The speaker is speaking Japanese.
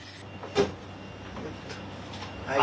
はい。